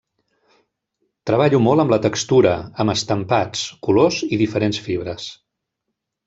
Treballo molt amb la textura, amb estampats, colors i diferents fibres.